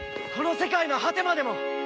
この世界の果てまでも！